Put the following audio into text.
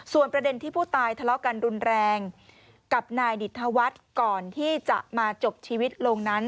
ส่วนประเด็นที่ผู้ตายทะเลาะกันรุนแรงกับนายดิตธวัฒน์ก่อนที่จะมาจบชีวิตลงนั้น